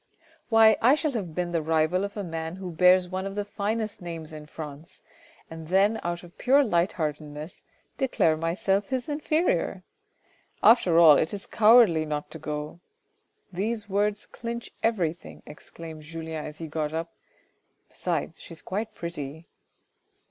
" Why ! I shall have been the rival of a man who bears one of the finest names in France, and then out of pure light heartedness, declared myself his inferior ! After all, it is cowardly not to go ; these words clinch everything," exclaimed Julien as he got up ..." besides she is quite pretty."